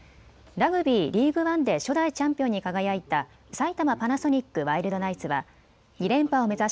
ラグビー、リーグワンで初代チャンピオンに輝いた埼玉パナソニックワイルドナイツは２連覇を目指し